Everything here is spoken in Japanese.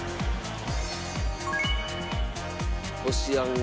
こしあんが。